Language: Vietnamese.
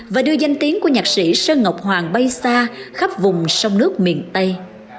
và đưa danh tiếng của nhạc sĩ sơn ngọc hoàng bay xa khắp vùng sông nước miền tây